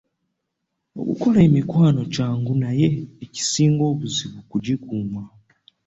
Okukola emikwano kyangu naye ekisinga obuzibu kugikuuma.